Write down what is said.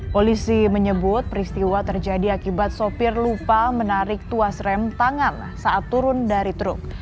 polisi menyebut peristiwa terjadi akibat sopir lupa menarik tuas rem tangan saat turun dari truk